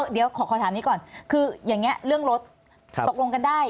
เดี๋ยวขอถามนี้ก่อนคืออย่างนี้เรื่องรถตกลงกันได้